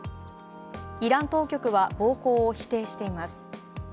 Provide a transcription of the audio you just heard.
イラン当局は暴行を否定しています。